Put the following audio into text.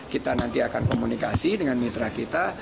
kita nanti akan komunikasi dengan mitra kita